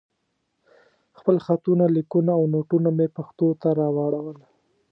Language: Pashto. خپل خطونه، ليکونه او نوټونه مې پښتو ته راواړول.